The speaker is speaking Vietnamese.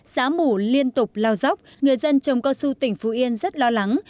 xã mù liên tục lao dốc người dân trồng cao su tỉnh phú yên rất lo lắng